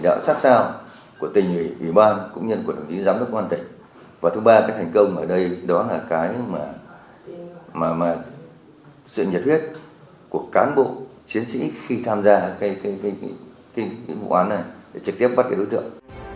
đó là cái mà sự nhật huyết của cán bộ chiến sĩ khi tham gia cái vụ án này trực tiếp bắt cái đối tượng